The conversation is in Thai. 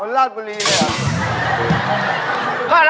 ได้แล้ว